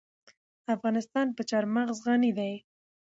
افغانستان په چار مغز غني دی.